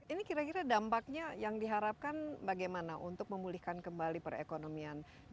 ini kira kira dampaknya yang diharapkan bagaimana untuk memulihkan kembali perekonomian